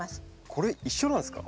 これ一緒なんですか？